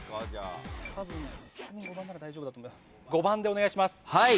５番でお願いします。